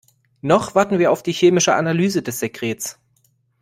Noch warten wir auf die chemische Analyse des Sekrets.